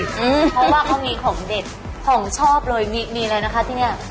เพราะว่าเขามีของเด็ดของชอบเลยมีมีอะไรนะคะที่เนี้ย